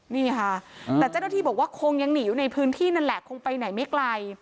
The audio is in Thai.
นี่ค่ะแต่เจ้าหน้าที่บอกว่าคงยังหนีอยู่ในพื้นที่นั่นแหละคงไปไหนไม่ไกล